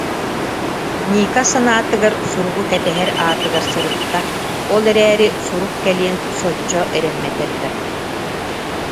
Ника санаатыгар суругу кэтэһэр аатыгар сырытта, ол эрээри сурук кэлиэн соччо эрэммэтэр да